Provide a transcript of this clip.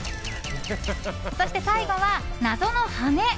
そして最後は、謎の羽！